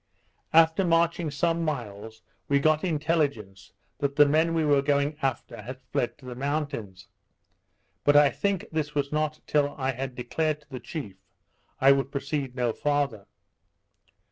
After marching some miles, we got intelligence that the men we were going after had fled to the mountains; but I think this was not till I had declared to the chief I would proceed no farther.